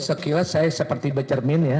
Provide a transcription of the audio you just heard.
sekilas saya seperti bercermin ya